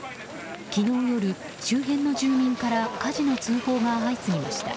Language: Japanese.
昨日夜、周辺の住民から火事の通報が相次ぎました。